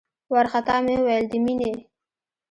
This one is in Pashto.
وارخطا مې وويل د مينې.